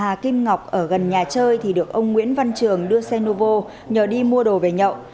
và bà hà kim ngọc ở gần nhà chơi thì được ông nguyễn văn trường đưa xe nouveau nhờ đi mua đồ về nhậu